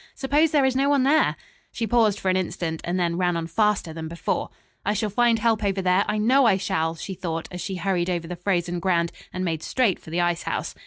"Suppose there is no one there?" She paused for an instant and then ran on faster than before. "I shall find help over there, I know I shall," she thought as she hurried over the frozen ground and made straight for the ice house.